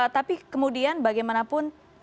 tapi kemudian bagaimanapun